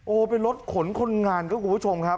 โอ้โหเป็นรถขนคนงานครับคุณผู้ชมครับ